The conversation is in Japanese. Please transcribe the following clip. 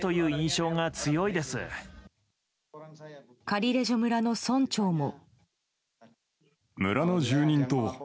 カリレジョ村の村長も。